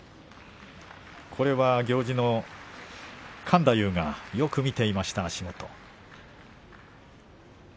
これは行司の勘太夫がよく見ていました。